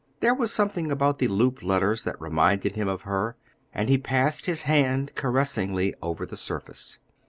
There was something about the loop letters that reminded him of her, and he passed his hand caressingly over the surface.